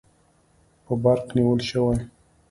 په برق نیول شوي